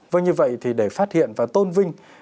vâng như vậy thì để phát hiện và tôn vinh